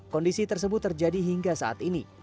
kondisi tersebut terjadi hingga saat ini